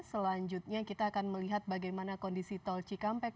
selanjutnya kita akan melihat bagaimana kondisi tol cikampek